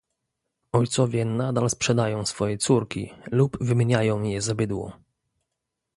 Ojcowie nadal sprzedają swoje córki lub wymieniają je za bydło